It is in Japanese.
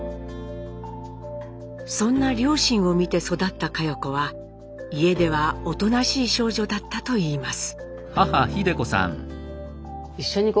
そんな両親を見て育った佳代子は家ではおとなしい少女だったといいます。